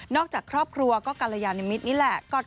นอกจากครอบครัวก็กรรยานมิตรนี้แหละ